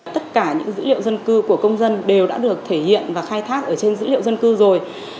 tất cả những dữ liệu dân cư của công dân đều đã được thể hiện và khai thác ở trên dữ liệu dân cư rồi